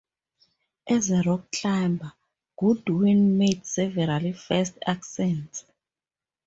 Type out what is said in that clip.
As a rock climber, Goodwin made several first ascents.